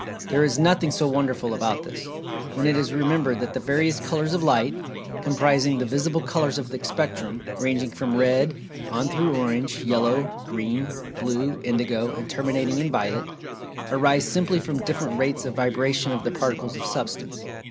There is nothing so wonderful about this, when it is remembered that the various "colors" of light, comprising the visible colors of the spectrum, ranging from red, on through orange, yellow, green, blue, indigo, and terminating in violet, arise simply from different rates of vibration of the Particles of Substance.